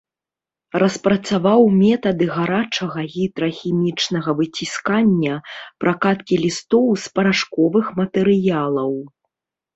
Распрацаваў метады гарачага гідрахімічнага выціскання, пракаткі лістоў з парашковых матэрыялаў.